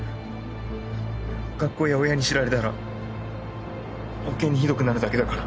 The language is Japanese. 学校や親に知られたら余計にひどくなるだけだから